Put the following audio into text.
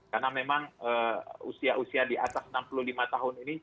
karena memang usia usia di atas enam puluh lima tahun ini